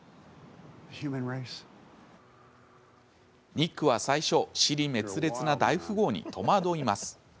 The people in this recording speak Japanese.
ニックは最初支離滅裂な大富豪に戸惑います。